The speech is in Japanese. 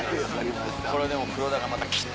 これでも黒田がまたキッ！